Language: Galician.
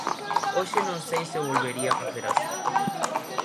Hoxe non sei se o volvería facer así.